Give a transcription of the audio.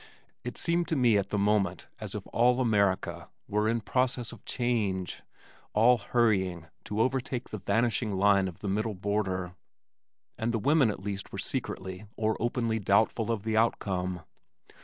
It seemed to me at the moment as if all America were in process of change, all hurrying to overtake the vanishing line of the middle border, and the women at least were secretly or openly doubtful of the outcome.